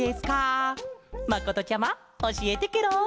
まことちゃまおしえてケロ。